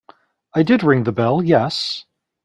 I did ring the bell, yes.